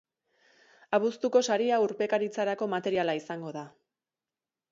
Abuztuko saria urpekaritzarako materiala izango da.